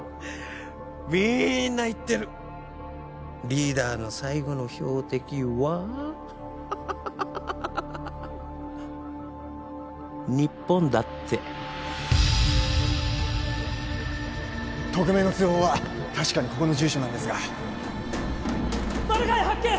みんな言ってるリーダーの最後の標的はハハハハ日本だって匿名の通報は確かにここの住所なんですがマルガイ発見！